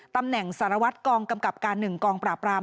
ตำแหน่งสารวัตรกองกำกับการ๑กองปราบราม